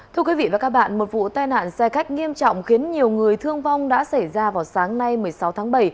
thưa quý vị và các bạn một vụ tai nạn xe khách nghiêm trọng khiến nhiều người thương vong đã xảy ra vào sáng nay một mươi sáu tháng bảy